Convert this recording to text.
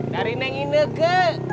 dari neng ini ke